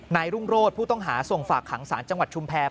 รุ่งโรธผู้ต้องหาส่งฝากขังสารจังหวัดชุมแพร